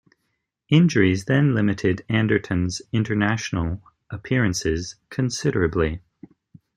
Injuries then limited Anderton's international appearances considerably.